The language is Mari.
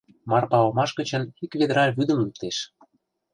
Марпа омаш гычын ик ведра вӱдым луктеш.